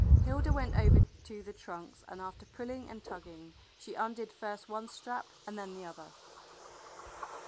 Hilda went over to the trunks and after pulling and tugging she undid first one strap and then the other.